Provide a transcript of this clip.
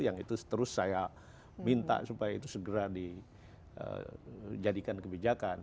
yang itu terus saya minta supaya itu segera dijadikan kebijakan